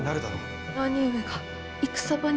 兄上が戦場に。